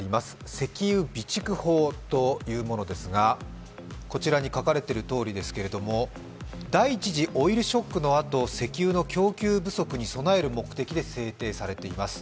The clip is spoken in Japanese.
石油備蓄法というものですが、こちらに書かれているとおりですけれども、第１次オイルショックのあと石油の供給不足に備える目的で制定されています。